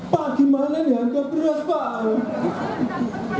pak gimana nih harga beras pak